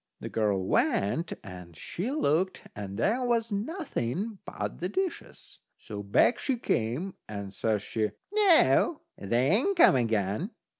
The girl went and she looked, and there was nothing but the dishes. So back she came, and says she: "Noo, they ain't come again."